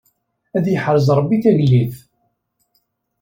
Ad yeḥrez Rebbi tagellidt.